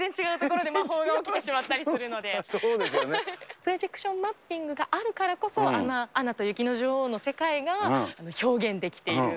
プロジェクションマッピングがあるからこそ、アナと雪の女王の世界が表現できている。